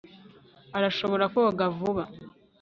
arashobora koga vuba